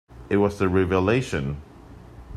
It was a revelation!